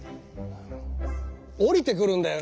降りてくるんだよね！